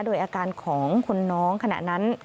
โดยอาการของคนน้องขณะนั้น